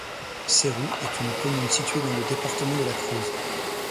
Ceyroux est une commune située dans le département de la Creuse.